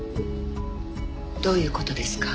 どういう事ですか？